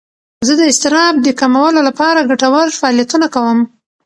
زه د اضطراب د کمولو لپاره ګټور فعالیتونه کوم.